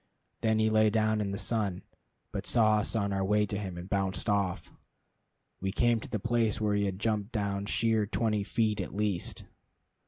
Then he lay down in the sun, but saw us on our way to him, and bounced off. We came to the place where he had jumped down sheer twenty feet at least.